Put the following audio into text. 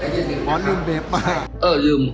แต่อย่าลืมอย่าลืม